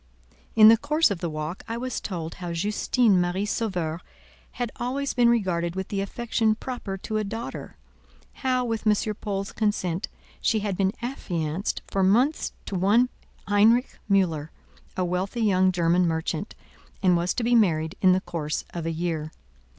In the course of the walk I was told how Justine Marie Sauveur had always been regarded with the affection proper to a daughter—how, with M. Paul's consent, she had been affianced for months to one Heinrich Mühler, a wealthy young German merchant, and was to be married in the course of a year.